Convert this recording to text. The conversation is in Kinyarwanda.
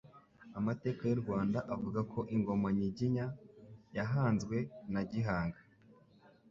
Amateka y'u Rwanda avuga ko ingoma Nyiginya yahanzwe na Gihanga.